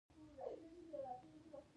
دوی د خپلو ستراتیژیکو ګټو د ساتلو هڅه کوي